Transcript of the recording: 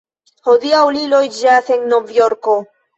Hodiaŭ li loĝas en Novjorko.